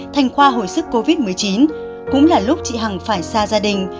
thành khoa hồi sức covid một mươi chín cũng là lúc chị hằng phải xa gia đình